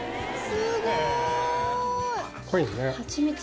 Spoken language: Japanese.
すごーい！